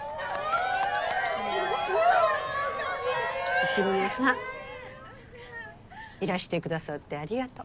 伊志嶺さんいらしてくださってありがとう。